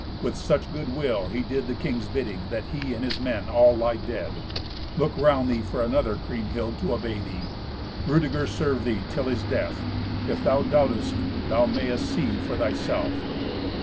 With such good will he did the king's bidding, that he and his men all lie dead. Look round thee for another, Kriemhild, to obey thee. Rudeger served thee till his death. If thou doubtest, thou mayest see for thyself."